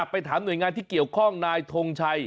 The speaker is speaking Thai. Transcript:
ไปถามหน่วยงานที่เกี่ยวข้องนายทงชัย